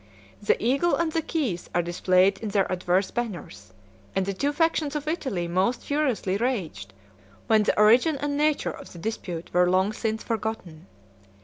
The eagle and the keys were displayed in their adverse banners; and the two factions of Italy most furiously raged when the origin and nature of the dispute were long since forgotten.